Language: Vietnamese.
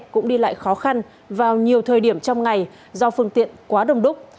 cũng đi lại khó khăn vào nhiều thời điểm trong ngày do phương tiện quá đông đúc